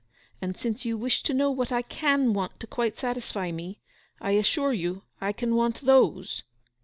And since you wish to know what I can want to quite satisfy me, I assure you I can want those!